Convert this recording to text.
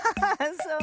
そう？